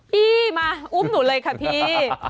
พี่มาอุ้มหนูเลยค่ะพี่